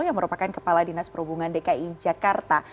yang merupakan kepala dinas perhubungan dki jakarta